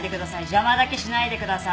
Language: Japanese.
邪魔だけしないでください。